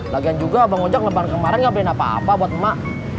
lagian juga abang ujak lebaran kemarin gak bikin apa apa buat emak